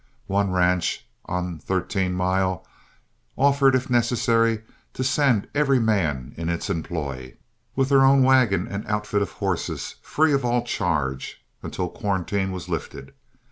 One ranch on Thirteen Mile offered, if necessary, to send every man in its employ, with their own wagon and outfit of horses, free of all charge, until quarantine was lifted.